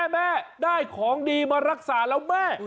แม่ได้ของดีมารักษาแล้วแม่